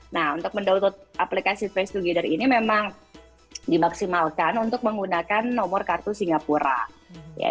nah untuk mendownload aplikasi face together ini memang dimaksimalkan untuk menggunakan nomor kartu singapura